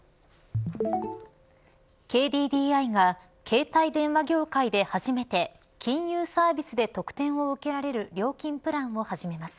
ＫＤＤＩが携帯電話業界で初めて金融サービスで特典を受けられる料金プランを始めます。